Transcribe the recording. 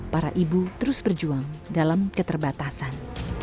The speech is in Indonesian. para ibu terus berjuang dalam keterbatasan